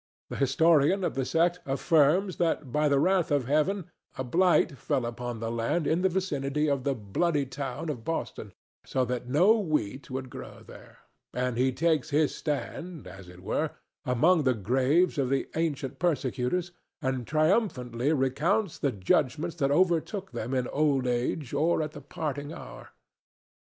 The historian of the sect affirms that by the wrath of Heaven a blight fell upon the land in the vicinity of the "bloody town" of Boston, so that no wheat would grow there; and he takes his stand, as it were, among the graves of the ancient persecutors, and triumphantly recounts the judgments that overtook them in old age or at the parting hour.